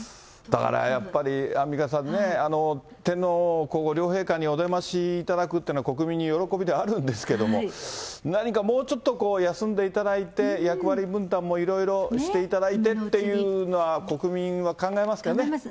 だからやっぱり、アンミカさんね、天皇皇后両陛下にお出ましいただくというのは、国民の喜びではあるんですけれども、何かもうちょっと休んでいただいて、役割分担もいろいろしていただいてっていうのは、国民は考えます考えます。